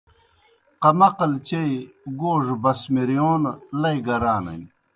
قمقل چیئی گوڙہ بسمِرِیون لئی گرانِن۔